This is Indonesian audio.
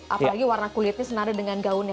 apalagi warna kulitnya senada dengan gaunnya